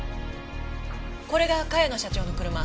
これが茅野社長の車。